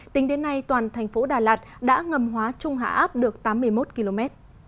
tính đến nay toàn thành phố đà lạt đã ngầm hóa trung hạ áp được tám mươi một km